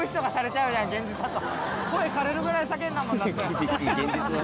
厳しい現実だな。